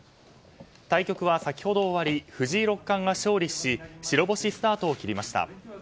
対局は先ほど終わり藤井六冠が勝利し白星スタートを切りました。